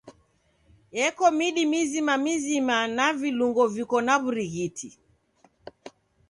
Eko midi mizima mizima na vilungo viko na w'urighiti.